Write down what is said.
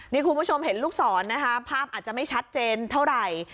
นี่คุณผู้ชมเห็นลูกศรนะคะภาพอาจจะไม่ชัดเจนเท่าไหร่